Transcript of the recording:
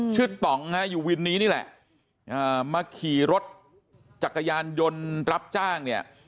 ต่องฮะอยู่วินนี้นี่แหละมาขี่รถจักรยานยนต์รับจ้างเนี่ย